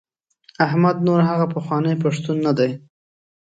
احمد نور هغه پخوانی پښتون نه دی.